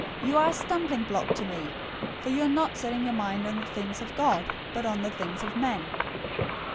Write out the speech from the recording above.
You are a stumbling block to me, for you are not setting your mind on the things of God, but on the things of men."